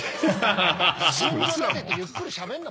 順序立ててゆっくりしゃべんな。